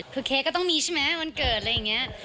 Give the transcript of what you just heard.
คือเค้กก็ต้องมีใช่ไหมวันเกิดอะไรอย่างนี้